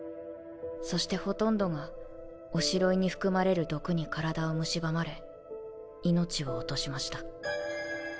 そしてほとんどがおしろいに含まれる毒に体をむしばまれ命を落としました。